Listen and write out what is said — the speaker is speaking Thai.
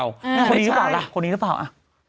คนนี้หรือเปล่าล่ะคนนี้หรือเปล่าอ่ะ